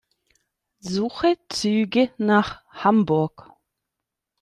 Suche Züge nach Hamburg.